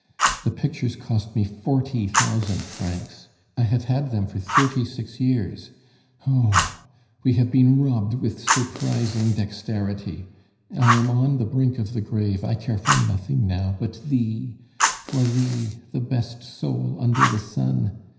The pictures cost me forty thousand francs. I have had them for thirty six years.... Oh, we have been robbed with surprising dexterity. I am on the brink of the grave, I care for nothing now but thee for thee, the best soul under the sun....